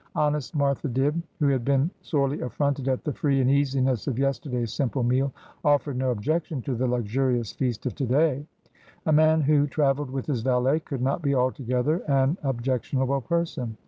Honest Martha Dibb, who had been sorely afironted at the free and easiness of yesterday's simple meal, offered no objection to the luxurious feast of to day. A man who travelled with his valet could not be altogether an objectionable person.